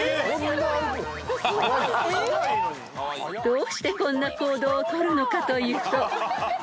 ［どうしてこんな行動をとるのかというと］